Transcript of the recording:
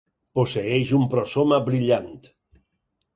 Posseeix un prosoma brillant.